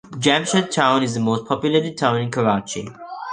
Jamshed Town is the most populated town in Karachi.